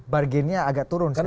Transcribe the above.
bargainnya agak turun sekarang